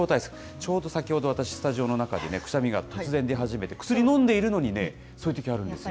ちょうど先ほど、私、スタジオの中でね、くしゃみが突然出始めて、薬飲んでいるのに、そういうときあるんですよ。